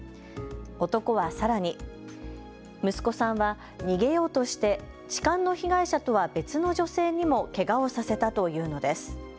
男はさらに息子さんは逃げようとして痴漢の被害者とは別の女性にもけがをさせたと言うのです。